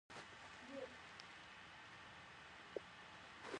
دا زموږ کور دی